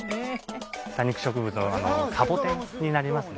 多肉植物のサボテンになりますね